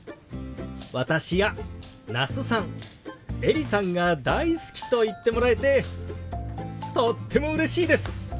私や那須さんエリさんが大好きと言ってもらえてとってもうれしいです！